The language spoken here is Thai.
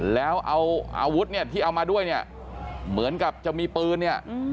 แล้วเอาอาวุธที่เอามาด้วยเหมือนกับจะมีปืน